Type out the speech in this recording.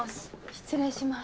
失礼します。